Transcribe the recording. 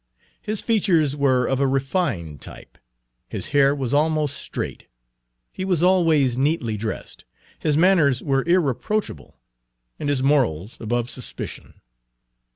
His features were of a refined type, his hair was almost straight; he was always neatly dressed; his manners were irreproachable, and his morals above suspicion.